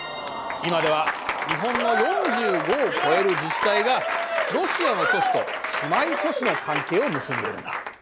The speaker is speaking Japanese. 今では日本の４５を超える自治体がロシアの都市と姉妹都市の関係を結んでいるんだ。